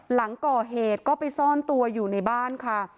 หลังก่อเหตุก็ไปซ่อนตัวอยู่ในบ้านค่ะ